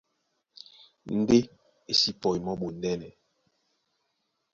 Ndé e sí pɔi mɔ́ ɓondɛ́nɛ.